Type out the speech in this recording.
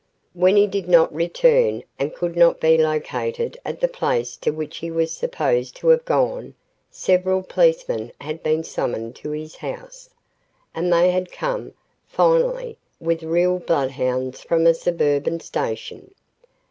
When he did not return, and could not be located at the place to which he was supposed to have gone, several policemen had been summoned to his house, and they had come, finally, with real bloodhounds from a suburban station.